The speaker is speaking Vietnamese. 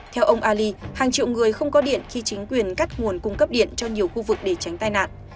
theo ông ali hàng triệu người không có điện khi chính quyền cắt nguồn cung cấp điện cho nhiều khu vực để tránh tai nạn